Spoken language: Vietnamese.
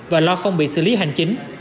và lo không bị xử lý hành chính